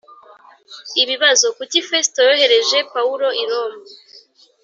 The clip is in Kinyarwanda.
Ibibazo Kuki Fesito yohereje Pawulo i Roma